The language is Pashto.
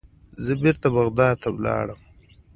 زه بیرته بغداد ته لاړم.